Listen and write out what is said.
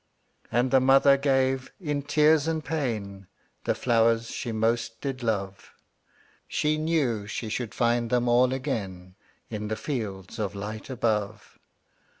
'' And the mother gave, in tears and pain, The flowers she most did love; She knew she should find them all again In the fields of light above.